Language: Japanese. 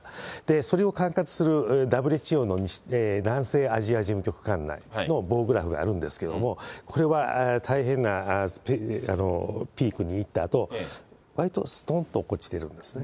それを管轄するＷＨＯの南西アジア事務局管内の棒グラフがあるんですけれども、これは大変なピークに行ったあと、わりとすとんと落っこちてるんですね。